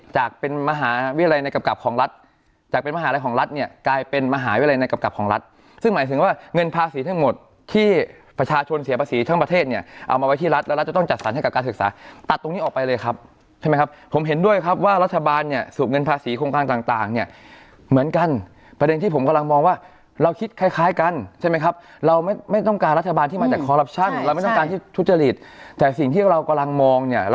จากเป็นมหาลัยของรัฐเนี่ยกลายเป็นมหาวิทยาลัยในกลับของรัฐซึ่งหมายถึงว่าเงินภาษีทั้งหมดที่ประชาชนเสียภาษีทั้งประเทศเนี่ยเอามาไว้ที่รัฐแล้วจะต้องจัดสรรค์ให้กับการศึกษาตัดตรงนี้ออกไปเลยครับใช่ไหมครับผมเห็นด้วยครับว่ารัฐบาลเนี่ยสูบเงินภาษีโครงการต่างเนี่ยเห